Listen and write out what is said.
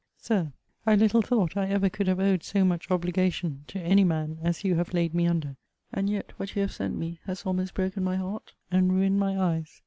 SIR, I little thought I ever could have owed so much obligation to any man as you have laid me under. And yet what you have sent me has almost broken my heart, and ruined my eyes.